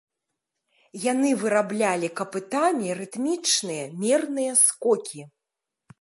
Яны выраблялі капытамі рытмічныя, мерныя скокі.